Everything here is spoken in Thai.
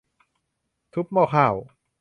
ทุบหม้อข้าว